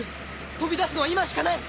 飛び出すのは今しかない！